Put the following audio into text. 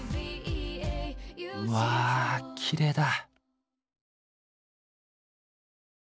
うわきれいだ！